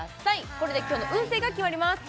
これで今日の運勢が決まります